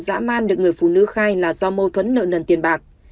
dã man được người phụ nữ khai là do mâu thuẫn nợ nần tiền bạc